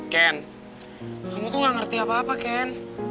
ken kamu tuh gak ngerti apa apa ken